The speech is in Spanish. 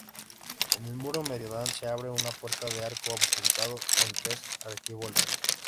En el muro meridional se abre una puerta de arco apuntado con tres arquivoltas.